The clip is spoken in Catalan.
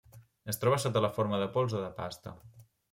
Es troba sota la forma de pols o de pasta.